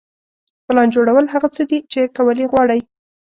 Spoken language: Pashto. پلان جوړول هغه څه دي چې کول یې غواړئ.